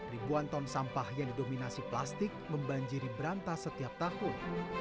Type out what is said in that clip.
ribuan ton sampah yang didominasi plastik membanjiri berantas setiap tahun